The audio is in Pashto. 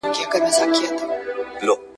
پاکوالی د ناروغۍ مخه نیسي.